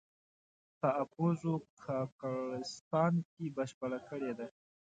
په اپوزو کاکړستان کې بشپړه کړې ده.